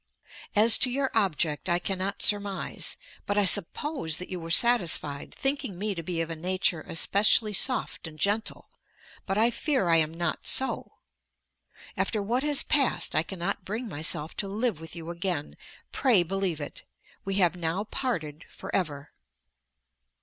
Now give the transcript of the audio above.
As to your object I cannot surmise. But I suppose that you were satisfied, thinking me to be of a nature especially soft and gentle. But I fear I am not so. After what has passed I cannot bring myself to live with you again. Pray believe it. We have now parted for ever.